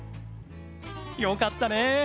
よかったね。